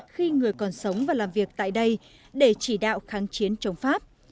khi người còn sống và làm việc tại đây để chỉ đạo kháng chiến chống pháp